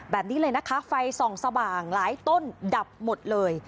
แบบนี้เลยนะคะไฟส่องสว่างหลายต้นดับหมดเลย